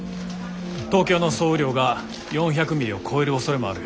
東京の総雨量が４００ミリを超えるおそれもある。